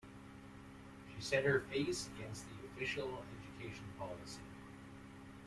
She set her face against the official education policy.